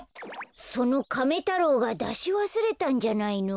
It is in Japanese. そのカメ太郎がだしわすれたんじゃないの？